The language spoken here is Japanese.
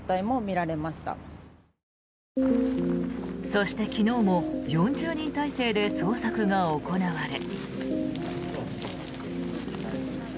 そして昨日も４０人態勢で捜索が行われ。